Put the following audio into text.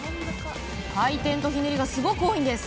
回転とひねりがすごく多いんです。